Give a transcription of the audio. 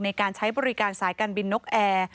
ในการใช้บริการสายการบินนกแอร์